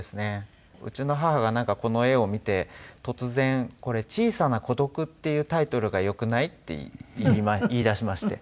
うちの母がなんかこの絵を見て突然「これ『小さな孤独』っていうタイトルがよくない？」って言いだしまして。